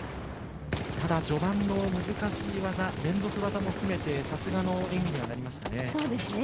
ただ、序盤の難しい技連続技も含めてさすがの演技にはなりましたね。